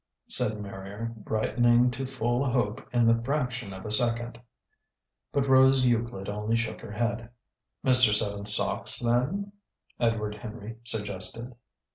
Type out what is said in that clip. said Marrier, brightening to full hope in the fraction of a second. But Rose Euclid only shook her head. "Mr. Seven Sachs, then?" Edward Henry suggested.